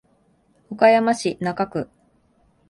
岡山市中区